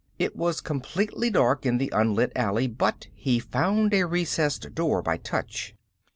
It was completely dark in the unlit alley, but he found a recessed door by touch.